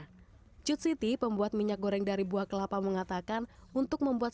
sepuluh rupiah per liternya cut city pembuat minyak goreng dari buah kelapa mengatakan untuk membuat